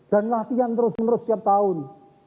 dan latihan terus menerus setiap tahun